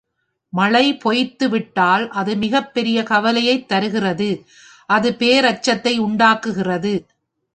மழை பொய்த்துவிட்டால் அது மிகப்பெரிய கவலையைத் தருகிறது அதுபேரச்சத்தை உண்டாக்கு கிறது.